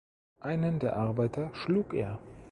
Einen der Arbeiter schlug er.